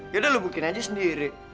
yaudah lu buktiin aja sendiri